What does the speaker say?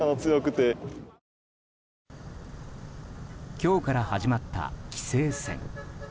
今日から始まった棋聖戦。